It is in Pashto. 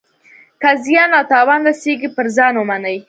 که زیان او تاوان رسیږي پر ځان ومني.